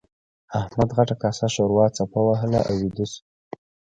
احمد غټه کاسه ښوروا څپه وهله او ويده شو.